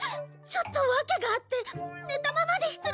ちょっとわけがあって寝たままで失礼します！